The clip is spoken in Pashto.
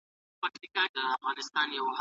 که ځوانان مطالعه ونه کړي، ټولنه به شاته پاته سي.